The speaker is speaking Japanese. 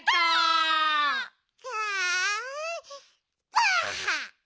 ばあっ！